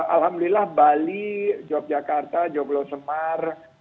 alhamdulillah bali yogyakarta joglo semar